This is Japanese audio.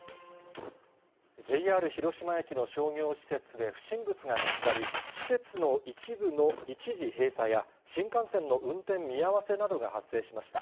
ＪＲ広島駅の商業施設で不審物が見つかり、施設の一部の一時閉鎖や、新幹線の運転見合わせなどが発生しました。